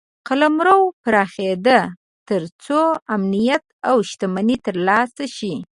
قلمرو پراخېده تر څو امنیت او شتمني ترلاسه شي.